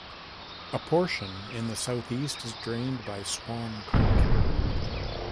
A portion in the southeast is drained by Swan Creek.